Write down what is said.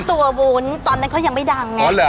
ตัววุ้นตอนนั้นเขายังไม่ดังไง